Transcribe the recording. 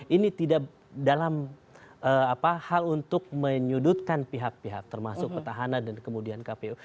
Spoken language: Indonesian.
ini tidak dalam hal untuk menyudutkan pihak pihak termasuk petahana dan kemudian kpu